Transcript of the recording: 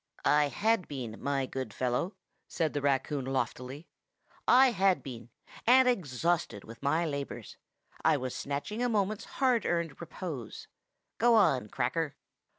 "I had been, my good fellow!" said the raccoon loftily. "I had been; and exhausted with my labors. I was snatching a moment's hard earned repose. Go on, Cracker."